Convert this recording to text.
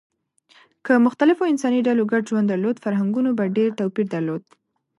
که مختلفو انساني ډلو ګډ ژوند درلود، فرهنګونو به ډېر توپیر درلود.